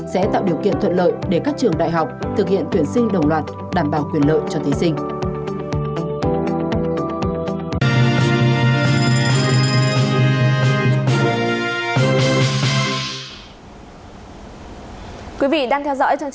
sẽ tạo điều kiện thuận lợi để các trường đại học thực hiện tuyển sinh đồng loạt đảm bảo quyền lợi cho thí sinh